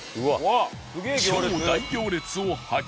超大行列を発見